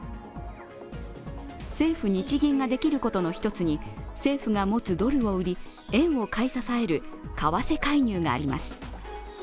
政府・日銀ができることの１つに、政府が持つドルを売り円を買い支える為替介入があります。